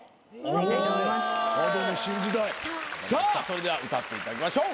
さあそれでは歌っていただきましょう。